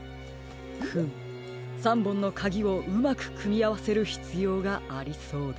フム３ぼんのかぎをうまくくみあわせるひつようがありそうです。